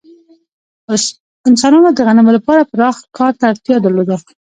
انسانانو د غنمو لپاره پراخ کار ته اړتیا درلوده.